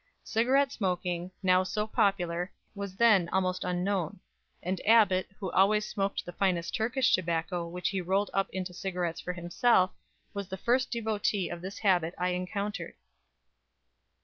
Cigarette smoking, now so popular, was then almost unknown, and Abbott, who always smoked the finest Turkish tobacco which he rolled up into cigarettes for himself, was the first devotee of this habit I encountered."